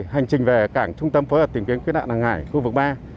hành trình về cảng trung tâm phối hợp tìm kiếm cứu nạn hàng hải khu vực ba